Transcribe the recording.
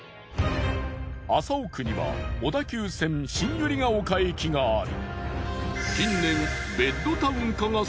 麻生区には小田急線新百合ヶ丘駅があり。